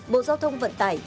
bộ giao thông vận tải